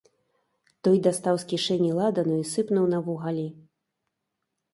Той дастаў з кішэні ладану і сыпнуў на вугалі.